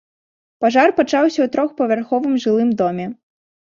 Пажар пачаўся ў трохпавярховым жылым доме.